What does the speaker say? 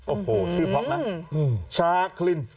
โอ้โหชื่อเพราะไหมชาคลิน